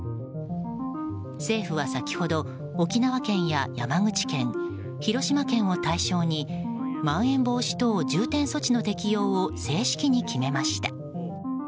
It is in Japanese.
政府は先ほど沖縄県や山口県、広島県を対象にまん延防止等重点措置の適用を正式に決めました。